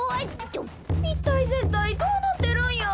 いったいぜんたいどうなってるんや？